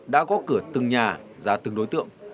đã góp cửa từng nhà ra từng đối tượng